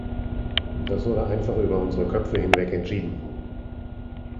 Das wurde einfach über unsere Köpfe hinweg entschieden.